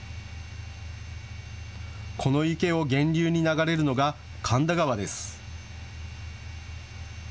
この池を源流に流れるのが神田川です。